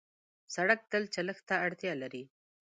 سړک تل چلښت ته اړتیا لري.